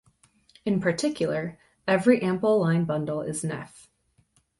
In particular, every ample line bundle is nef.